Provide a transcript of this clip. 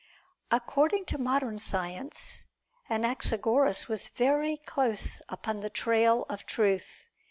According to modern science, Anaxagoras was very close upon the trail of truth.